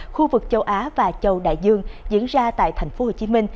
khu vực châu á và châu đại dương diễn ra tại tp hcm